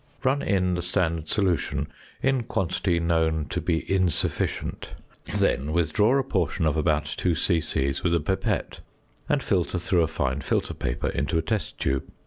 Run in the standard solution in quantity known to be insufficient; then withdraw a portion of about 2 c.c., with a pipette, and filter through a fine filter paper into a test tube.